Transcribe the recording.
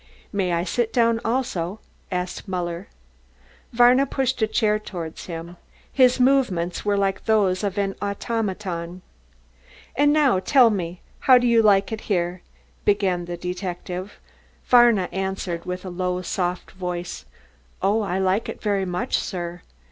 "May I sit down also?" asked Muller. Varna pushed forward a chair. His movements were like those of an automaton. "And now tell me how you like it here?" began the detective. Varna answered with a low soft voice, "Oh, I like it very much, sir."